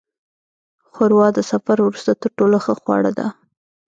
ښوروا د سفر وروسته تر ټولو ښه خواړه ده.